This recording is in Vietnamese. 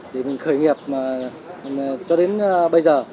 thì mình khởi nghiệp cho đến bây giờ